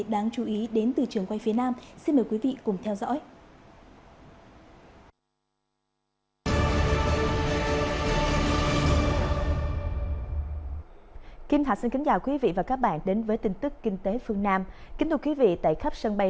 các thông tin kinh tế đáng chú ý đến từ trường quay phía nam